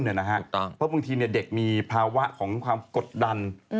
เพราะบางทีเด็กมีภาวะของความกดดัน